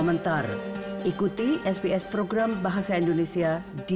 sehat selalu udah baik baiknya